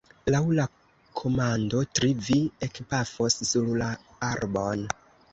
Laŭ la komando « tri » vi ekpafos sur la arbon.